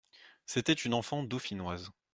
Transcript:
C'était une enfant dauphinoise.